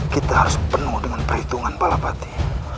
kita harus penuh dengan perhitungan balapati